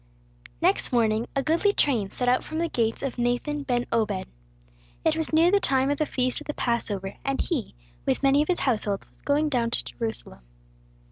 Next morning a goodly train set out from the gates of Nathan ben Obed. It was near the time of the feast of the Passover, and he, with many of his household, was going down to Jerusalem.